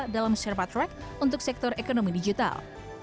dalam sherpa track untuk sektor ekonomi digital